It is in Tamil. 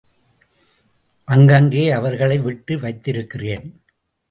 அங்கங்கே அவர்களை விட்டு வைத்திருக்கிறேன்.